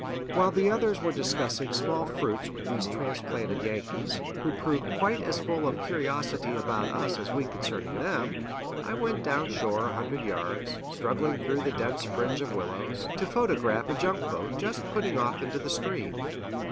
While the others were discussing small fruits with these transplanted Yankees, who proved quite as full of curiosity about us as we concerning them, I went down shore a hundred yards, struggling through the dense fringe of willows, to photograph a junk boat just putting off into the stream.